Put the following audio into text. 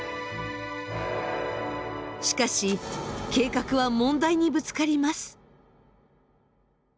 しかし計画は問題にぶつかります。